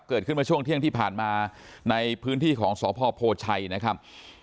เกิดขึ้นเมื่อช่วงเที่ยงที่ผ่านมาในพื้นที่ของสพโพชัยนะครับ